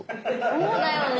そうだよね。